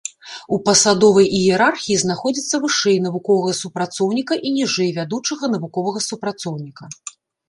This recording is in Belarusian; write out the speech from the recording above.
У пасадовай іерархіі знаходзіцца вышэй навуковага супрацоўніка і ніжэй вядучага навуковага супрацоўніка.